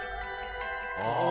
ああ。